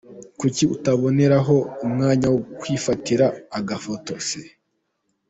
Kuki utaboneraho umwanya wo kwifatira agafoto se?.